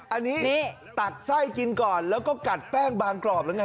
อันนี้ตักไส้กินก่อนแล้วก็กัดแป้งบางกรอบแล้วไง